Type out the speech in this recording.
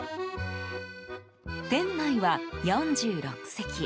店内は、４６席。